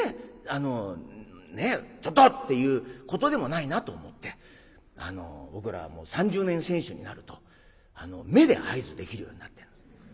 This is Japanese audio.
あのねえ「ちょっと！」って言うことでもないなと思って僕らもう３０年選手になると目で合図できるようになってるんです。